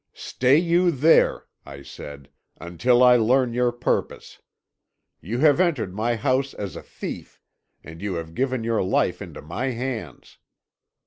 "'Stay you there,' I said, 'until I learn your purpose. You have entered my house as a thief, and you have given your life into my hands.